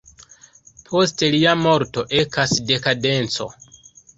Post lia morto ekas dekadenco.